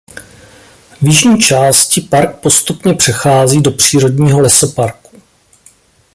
V jižní části park postupně přechází do přírodního lesoparku.